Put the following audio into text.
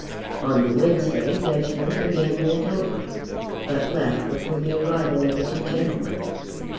On the Wednesday Reginald again went over, but left before the arrival of the two gentlemen.